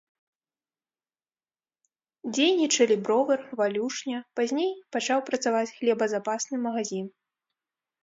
Дзейнічалі бровар, валюшня, пазней пачаў працаваць хлебазапасны магазін.